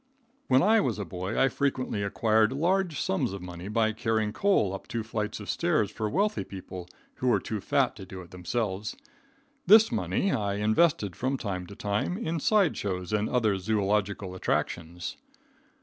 When I was a boy I frequently acquired large sums of money by carrying coal up two flights of stairs for wealthy people who were too fat to do it themselves. This money I invested from time to time in side shows and other zoological attractions.